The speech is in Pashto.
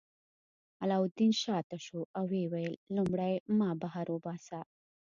علاوالدین شاته شو او ویې ویل لومړی ما بهر وباسه.